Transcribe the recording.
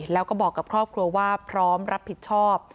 แล้วก็บอกกับครอบครัวว่าพร้อมรับผิดชอบ